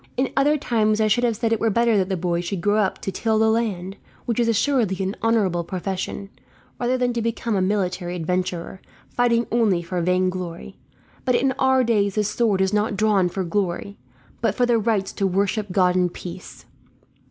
In other times I should have said it were better that the boy should grow up to till the land, which is assuredly an honourable profession, rather than to become a military adventurer, fighting only for vainglory. But in our days the sword is not drawn for glory, but for the right to worship God in peace.